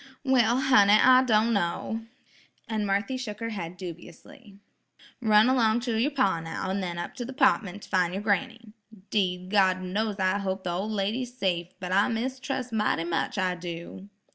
"Well, honey, I don' kno'," and Marthy shook her head dubiously. Run along to yer pa now, an' then up to the 'partment to fin' yer granny. 'Deed, God knows I hope the ol' lady's safe, but I mistrus' mighty much, I do."